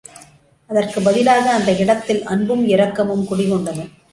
அதற்குப் பதிலாக அந்த இடத்தில் அன்பும் இரக்கமும் குடிகொண்டன.